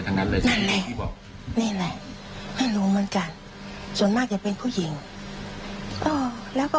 แล้วไม่มีอีกคำแบบนั้น